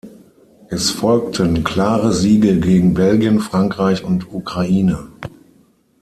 Es folgten klare Siege gegen Belgien, Frankreich und Ukraine.